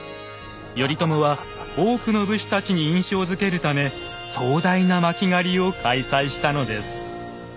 頼朝は多くの武士たちに印象づけるため壮大な巻狩を開催したのです。